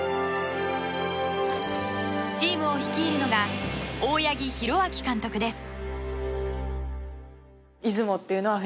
チームを率いるのが大八木弘明監督です。